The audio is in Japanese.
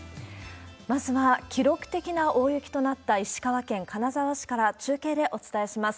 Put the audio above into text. まずは、記録的な大雪となった石川県金沢市から中継でお伝えします。